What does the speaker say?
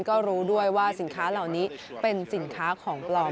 ก็รู้ด้วยว่าสินค้าเหล่านี้เป็นสินค้าของปลอม